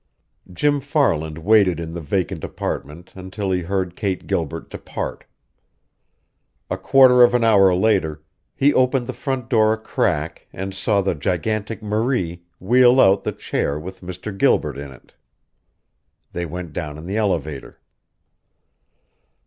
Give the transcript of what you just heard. Jim Farland waited in the vacant apartment until he heard Kate Gilbert depart. A quarter of an hour later, he opened the front door a crack and saw the gigantic Marie wheel out the chair with Mr. Gilbert in it. They went down in the elevator.